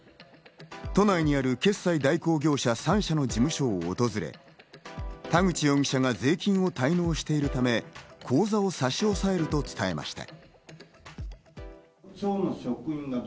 都内にある決済代行業者３社の事務所を訪れ、田口容疑者が税金を滞納しているため、口座を差し押さえると伝えました。